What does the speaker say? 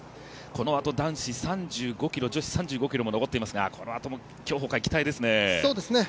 このあと男子３５ｋｍ、女子３５ｋｍも残っていますがこのあとも競歩界、期待ですね。